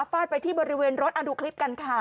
ฟาดไปที่บริเวณรถดูคลิปกันค่ะ